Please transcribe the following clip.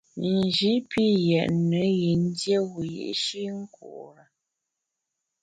Nji pi yètne yin dié wiyi’shi nkure.